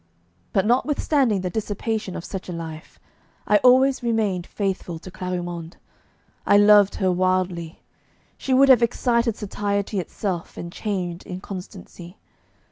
But notwithstanding the dissipation of such a life, I always remained faithful to Clarimonde. I loved her wildly. She would have excited satiety itself, and chained inconstancy.